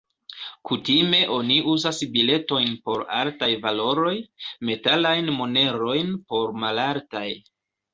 Kutime oni uzas biletojn por altaj valoroj, metalajn monerojn por malaltaj.